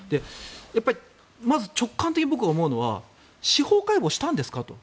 やっぱりまず直感的に僕は思うのは司法解剖したんですかと。